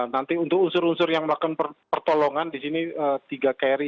nanti untuk unsur unsur yang melakukan pertolongan di sini tiga kri